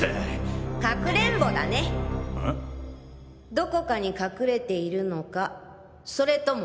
どこかに隠れているのかそれとも。